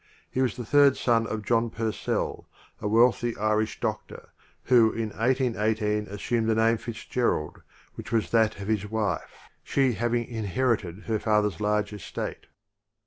He was the third son of John Puree//, a wea/thy Irish doclor, who in The 1818 assumed the name FitzGera/d which Preface was that of his wife, she having inherited her father' s /arge estate.